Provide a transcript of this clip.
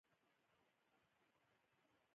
بې پرواهي بد دی.